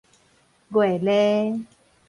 月鱧